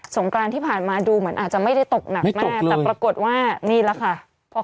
งกรานที่ผ่านมาดูเหมือนอาจจะไม่ได้ตกหนักมากแต่ปรากฏว่านี่แหละค่ะ